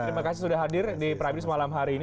terima kasih sudah hadir di prime news malam hari ini